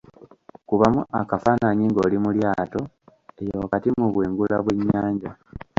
Kubamu akafaanayi ng'oli mu lyato, eyo wakati mu bwengula bw'ennyanja.